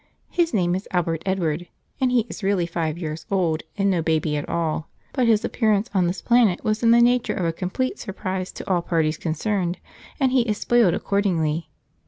His name is Albert Edward, and he is really five years old and no baby at all; but his appearance on this planet was in the nature of a complete surprise to all parties concerned, and he is spoiled accordingly.